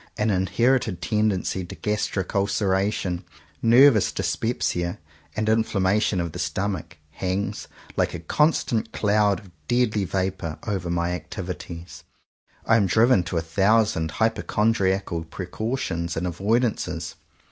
An inherited tendency to gastric ulceration, nervous dyspepsia, and inflation of the stomach, hangs, like a constant cloud of deadly vapour, over my activities. I am driven to a thousand hypochondriacal pre cautions and avoidances.